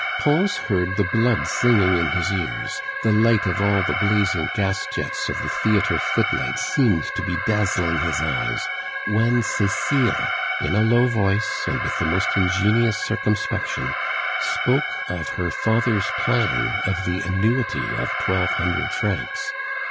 Pons heard the blood singing in his ears, the light of all the blazing gas jets of the theatre footlights seemed to be dazzling his eyes, when Cecile, in a low voice and with the most ingenious circumspection, spoke of her father's plan of the annuity of twelve hundred francs.